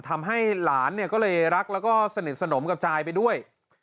ทำให้หลานเนี่ยก็เลยรักแล้วก็สนิทสนมกับจายไปด้วย